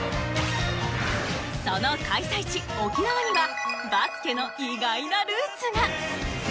その開催地沖縄にはバスケの意外なルーツが。